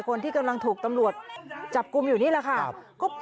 คนที่กำลังถูกตำรวจจับกลุ่มอยู่นี่แหละค่ะ